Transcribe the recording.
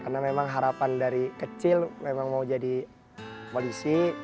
karena memang harapan dari kecil memang mau jadi polisi